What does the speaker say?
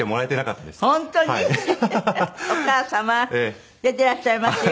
お母様出ていらっしゃいますよ。